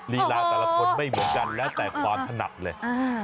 ลีลาแต่ละคนไม่เหมือนกันแล้วแต่ความถนัดเลย